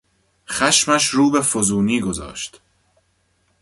خشمش رو به فزونی گذاشت.